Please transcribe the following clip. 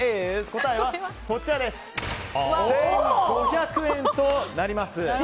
答えは１５００円となります。